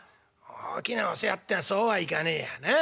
「大きなお世話ってそうはいかねえやなあ。